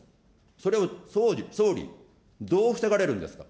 それを総理、総理、どう防がれるんですか。